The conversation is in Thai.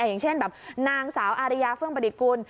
อย่างเช่นนางสาวอารยาเพิ่งบริกูล